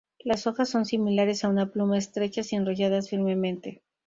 Las hojas son similares a una pluma, estrechas y enrolladas firmemente.